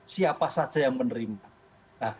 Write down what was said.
siapa saja yang menerima